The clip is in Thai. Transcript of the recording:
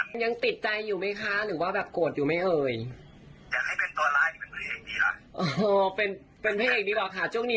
เริ่มไม่ค่อยกลัวดีกว่าครับแล้วก็เริ่มจะได้ทำหาหาชินได้